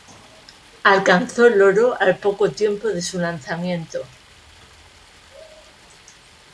Alcanzó el oro al poco tiempo de su lanzamiento.